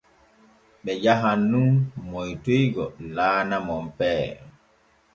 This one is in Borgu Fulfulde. Ɓe jahan nun moytoygo laana Monpee.